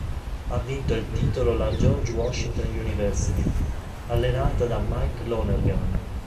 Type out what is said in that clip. Ha vinto il titolo la George Washington University, allenata da Mike Lonergan.